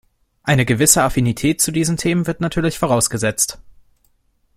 Eine gewisse Affinität zu diesen Themen wird natürlich vorausgesetzt.